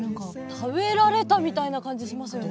食べられたみたいな感じしますよね。